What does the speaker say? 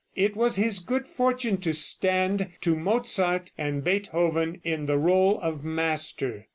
It was his good fortune to stand to Mozart and Beethoven in the rôle of master.